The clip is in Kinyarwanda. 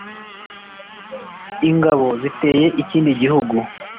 ingabo ziteye ikindi gihugu.